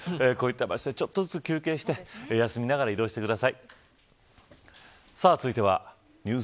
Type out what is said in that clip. これから渋滞もありますのでこういった場所でちょっとずつ休憩して休みながら移動してください。